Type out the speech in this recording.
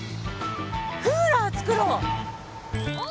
クーラー作ろう！